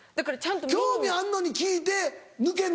興味あんのに聞いて抜けんの？